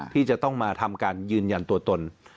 ที่จะต้องมาทำการยืนยันตัวตน